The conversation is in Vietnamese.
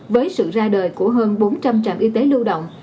với sự ra đời của hơn bốn trăm linh trạm y tế lưu động